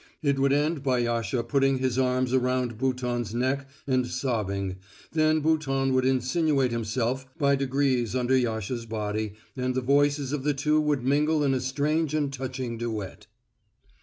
It would end by Yasha putting his arms round Bouton's neck and sobbing, then Bouton would insinuate himself by degrees under Yasha's body, and the voices of the two would mingle in a strange and touching duet.